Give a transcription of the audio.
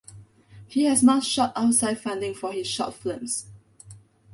He has not sought outside funding for his short films.